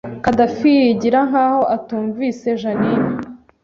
Khadafi yigira nkaho atumvise Jeaninne